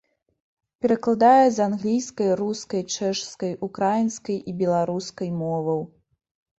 Перакладае з англійскай, рускай, чэшскай, украінскай і беларускай моваў.